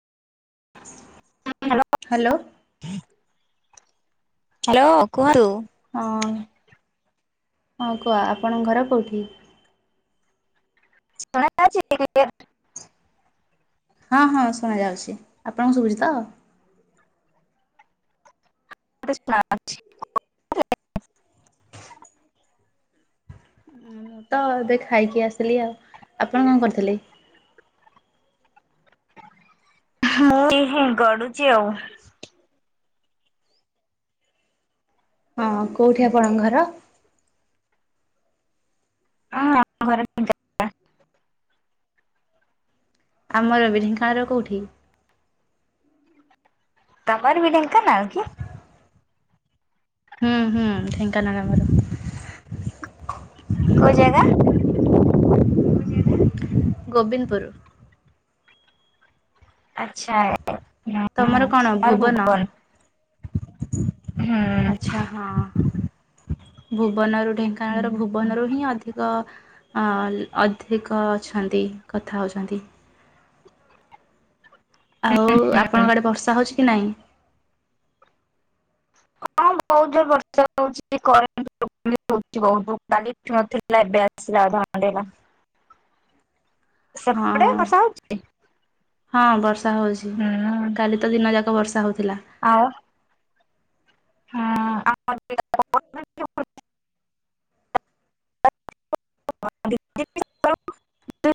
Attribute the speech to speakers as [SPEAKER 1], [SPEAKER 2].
[SPEAKER 1] Hello.
[SPEAKER 2] Hello.
[SPEAKER 1] [inaudible] Hello କୁହନ୍ତୁ।
[SPEAKER 2] ହଁ ହଁ କୁହ ଆପଣଙ୍କ ଘର କୋଉଠି?
[SPEAKER 1] [unintelligible]
[SPEAKER 2] ହଁ ହଁ ଶୁଣାଯାଉଛି ଆପଣଙ୍କୁ ଶୁଭୁଛି ତ?
[SPEAKER 1] ମତେ ଶୁଣା ଯାଉଚି।
[SPEAKER 2] ମୁଁ ତ ଏବେ ଖାଇକି ଆସିଲି ଆଉ ଆପଣ କଣ କରୁଥିଲେ?
[SPEAKER 1] ମୁଁ କି ହୁଁ ଗଡୁଚି ଆଉ
[SPEAKER 2] ହଁ କୋଉଠି ଆପଣଙ୍କ ଘର?
[SPEAKER 1] ହଁ
[SPEAKER 2] ଆମର ବି ଢେଙ୍କାନାଳର କୋଉଠି?
[SPEAKER 1] ତମର ବି ଢେଙ୍କାନାଳ କି?
[SPEAKER 2] ହୁଁ ହୁଁ ଢେଙ୍କାନାଳ ଆମର।
[SPEAKER 1] କୋଉ ଜାଗା?
[SPEAKER 2] ଗୋବିନ୍ଦପୁର।
[SPEAKER 1] ଆଚ୍ଛା। ହୁଁ
[SPEAKER 2] ତମର କଣ
[SPEAKER 1] ଆମର
[SPEAKER 2] ଭୁବନ।
[SPEAKER 1] ହୁଁ।
[SPEAKER 2] ଆଛା ହଁ ଭୁବନରୁ
[SPEAKER 1] ହଁ
[SPEAKER 2] ଢେଙ୍କାନାଳର ଭୁବନରୁ ହିଁ ଅଧିକ ଅଧିକ ଅଛନ୍ତି କଥା ହୋଉଛନ୍ତି। ଆଉ ଆପଣଙ୍କ ଆଡ଼େ ବର୍ଷା ହୋଉଚି କି ନାହିଁ।
[SPEAKER 1] ବୋହୁତ ବର୍ଷା ଉଚି କରେଣ୍ଟ [unintelligible] କାଲିନଥିଲା ଏବେ ଆସିଲା ଘଣ୍ଟଟେ ହେଲା। ସେପଟେ
[SPEAKER 2] ହଁ
[SPEAKER 1] ବର୍ଷା ହୋଉଚି
[SPEAKER 2] ହଁ ବର୍ଷା ହୋଉଚି କାଲି ତ ଦିନଯାକ ବର୍ଷା ହୋଉଥିଲା।
[SPEAKER 1] ଆଉ ହଁ ଆ [unintelligible]